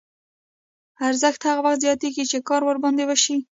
ارزښت هغه وخت زیاتېږي چې کار ورباندې وشي